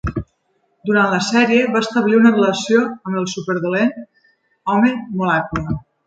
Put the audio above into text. Durant la sèrie, va establir una relació amb el superdolent Home Molècula.